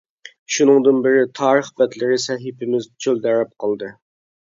شۇنىڭدىن بېرى تارىخ بەتلىرى سەھىپىمىز چۆلدەرەپ قالدى.